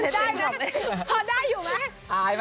ได้นะพอได้อยู่ไหม